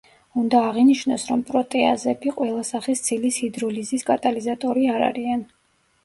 უნდა აღინიშნოს, რომ პროტეაზები ყველა სახის ცილის ჰიდროლიზის კატალიზატორი არ არიან.